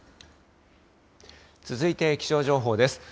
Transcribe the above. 続いて気象情報です。